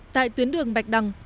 tại tuyến đường bạch đằng